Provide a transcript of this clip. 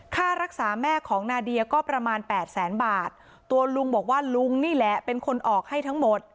ค่ารักษาแม่ของนาเดียก็ประมาณแปดแสนบาทตัวลุงบอกว่าลุงนี่แหละเป็นคนออกให้ทั้งหมด